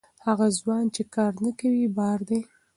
هغه ځوان چې کار نه کوي، بار دی.